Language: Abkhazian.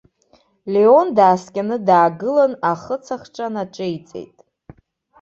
Леон дааскьаны даагылан ахыц ахҿа наҿеиҵеит.